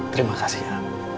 terima kasih ya